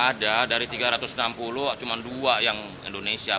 ada dari tiga ratus enam puluh cuma dua yang indonesia